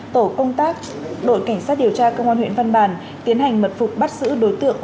tổ công tác đội cảnh sát điều tra cơ quan huyện văn bản tiến hành mật phục bắt giữ đối tượng